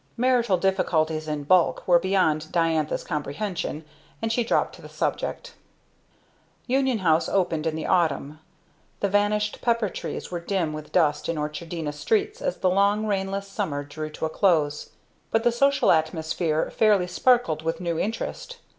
Marital difficulties in bulk were beyond Diantha's comprehension, and she dropped the subject. Union House opened in the autumn. The vanished pepper trees were dim with dust in Orchardina streets as the long rainless summer drew to a close; but the social atmosphere fairly sparkled with new interest.